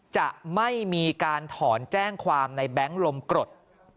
จะไม่มีการถอนแจ้งความในแบงค์ลมกรด